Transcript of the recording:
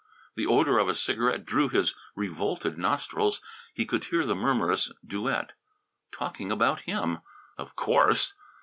The odour of a cigarette drew his revolted nostrils. He could hear the murmurous duet. Talking about him! Of course!